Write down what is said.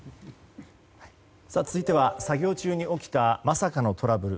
続いては作業中に起きたまさかのトラブル。